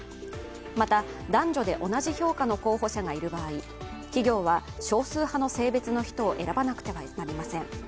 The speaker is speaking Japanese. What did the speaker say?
また、男女で同じ評価の候補者がいる場合、企業は少数派の性別の人を選ばなくてはなりません。